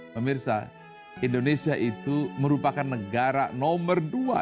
pemirsa indonesia itu merupakan negara nomor dua